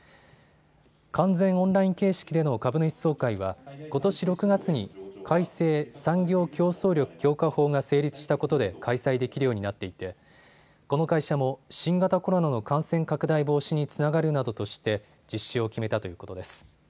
完全オンライン形式での株主総会はことし６月に改正産業競争力強化法が成立したことで開催できるようになっていてこの会社も新型コロナの感染拡大防止につながるなどとして実施を決めたということです。